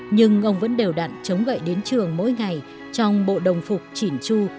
nhưng ông vẫn đều đặn chống gậy đến trường mỗi ngày trong bộ đồng phục chỉn chu